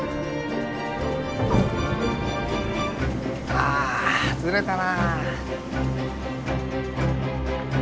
ああずれたなぁ。